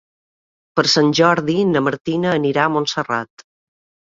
Per Sant Jordi na Martina anirà a Montserrat.